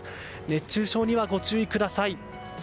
熱中症にはご注意ください。